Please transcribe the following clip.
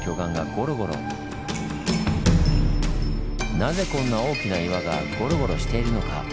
なぜこんな大きな岩がゴロゴロしているのか？